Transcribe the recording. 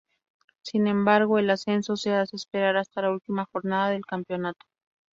Sin embargo el ascenso se hace esperar hasta la última jornada del campeonato.